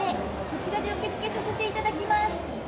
こちらで受け付けさせていただきます。